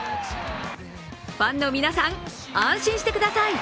ファンの皆さん、安心してください。